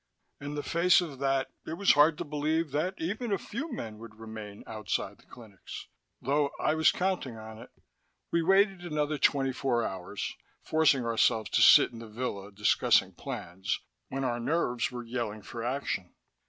In the face of that, it was hard to believe that even a few men would remain outside the clinics, though I was counting on it. We waited another twenty four hours, forcing ourselves to sit in the villa, discussing plans, when our nerves were yelling for action.